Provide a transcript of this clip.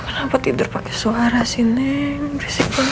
kenapa tidur pakai suara neng berisik banget